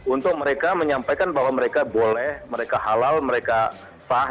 untuk mereka menyampaikan bahwa mereka boleh mereka halal mereka paham